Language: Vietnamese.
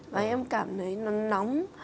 và em cảm thấy nó nóng